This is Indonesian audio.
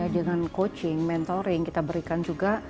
dengan coaching mentoring kita berikan juga